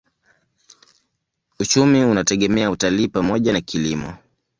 Uchumi unategemea utalii pamoja na kilimo.